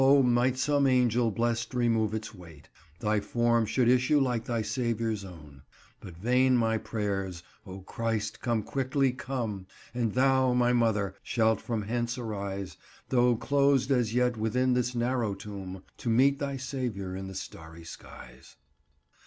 might some angel blest remove its weight, Thy form should issue like thy Saviour's own. But vain my prayers; O Christ, come quickly, come! And thou, my Mother, shalt from hence arise, Though closed as yet within this narrow tomb, To meet thy Saviour in the starry skies."